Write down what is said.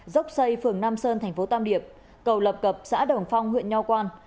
dốc xây phường nam sơn tp tam điệp cầu lập cập xã đồng phong huyện nho quang